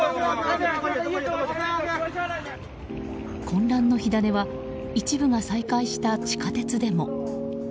混乱の火種は一部が再開した地下鉄でも。